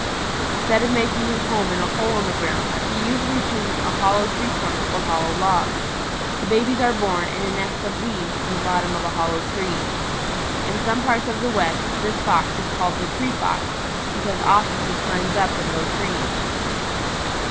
Instead of making his home in a hole in the ground, he usually chooses a hollow tree trunk or hollow log. The babies are born in a nest of leaves in the bottom of a hollow tree. In some parts of the West this Fox is called the Tree Fox, because often he climbs up in low trees.